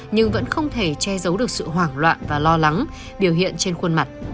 nhưng vẫn không thể che giấu được sự hoảng loạn và lo lắng biểu hiện trên khuôn mặt